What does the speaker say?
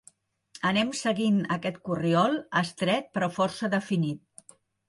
Anem seguint aquest corriol, estret però força definit.